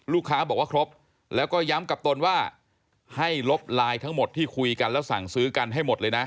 ลูกค้าบอกว่าครบแล้วก็ย้ำกับตนว่าให้ลบไลน์ทั้งหมดที่คุยกันแล้วสั่งซื้อกันให้หมดเลยนะ